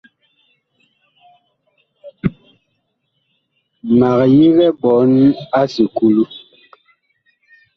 Mag yigɛ ɓɔɔn a esukulu.